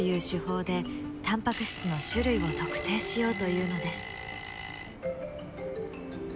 タンパク質の種類を特定しようというのです。